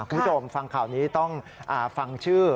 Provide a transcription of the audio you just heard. คุณผู้ชมฟังข่าวนี้ต้องฟังชื่อ